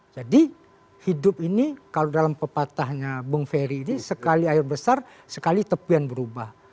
jadi hidup ini kalau dalam pepatahnya bung feri ini sekali air besar sekali tepian berubah